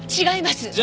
違います！